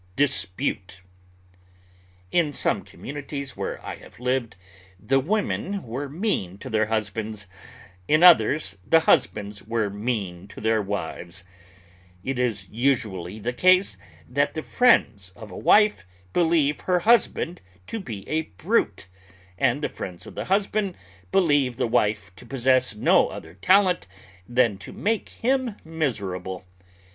IN DISPUTE In some communities where I have lived the women were mean to their husbands; in others, the husbands were mean to their wives. It is usually the case that the friends of a wife believe her husband to be a brute, and the friends of the husband believe the wife to possess no other talent than to make him miserable.